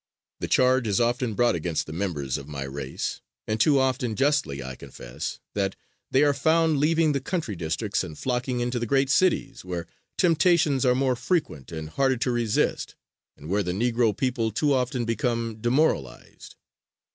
The charge is often brought against the members of my race and too often justly, I confess that they are found leaving the country districts and flocking into the great cities where temptations are more frequent and harder to resist, and where the Negro people too often become demoralized.